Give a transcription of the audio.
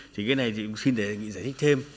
thì cái này thì xin đề nghị giải thích thêm